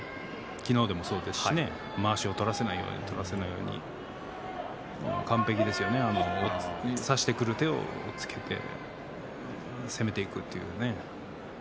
昨日もそうですしまわしを取らせないように取らせないように、完璧ですよね差してくる手を押っつけて攻めていく。